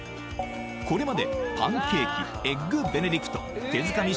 これまでパンケーキエッグベネディクト手づかみ